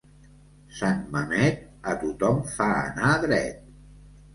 Sant Mamet a tothom fa anar dret.